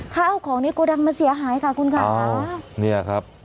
ข้าวของในโกดังมันเสียหายค่ะคุณค่ะเนี่ยครับ